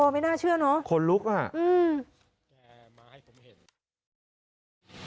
ไม่น่าเชื่อนะอืมคนลุก